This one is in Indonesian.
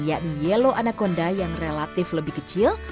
yakni yello anaconda yang relatif lebih kecil